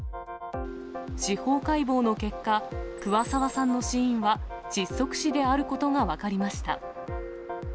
司法解剖の結果、桑沢さんの死因は窒息死であることが分かりました。